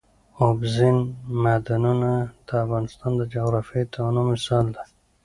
اوبزین معدنونه د افغانستان د جغرافیوي تنوع مثال دی.